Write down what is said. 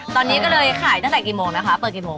ตอนนี้ก็เลยขายตั้งแต่กี่โมงนะคะเปิดกี่โมง